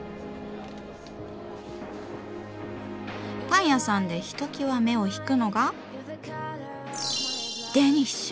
パン屋さんでひときわ目を引くのがデニッシュ！